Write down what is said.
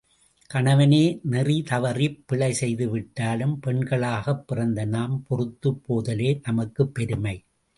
கணவனே நெறிதவறிப் பிழை செய்து விட்டாலும் பெண்களாகப் பிறந்த நாம் பொறுத்துப் போதலே நமக்குப் பெருமை!